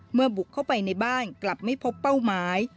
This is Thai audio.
บุกเข้าไปในบ้านกลับไม่พบเป้าหมาย